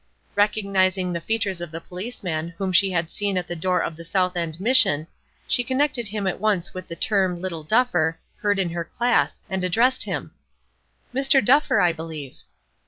Recognizing the features of the policeman whom she had seen at the door of the South End Mission, she connected him at once with the term "Little Duffer," heard in her class, and addressed him: "Mr. Duffer, I believe."